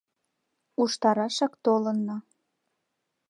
Уштарашак толынна.